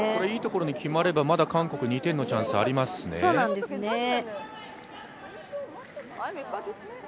いいところに決まればまだ韓国２点のチャンスありますね。